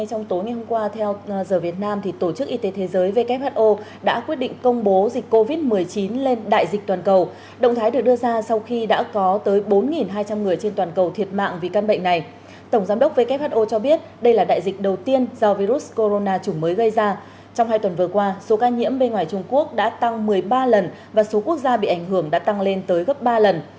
trong hai tuần vừa qua số ca nhiễm bên ngoài trung quốc đã tăng một mươi ba lần và số quốc gia bị ảnh hưởng đã tăng lên tới gấp ba lần